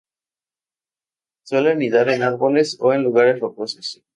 Suele anidar en árboles o en lugares rocosos.